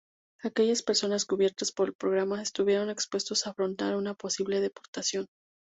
Aquellas personas cubiertas por el programa estuvieron expuestos a afrontar una posible deportación.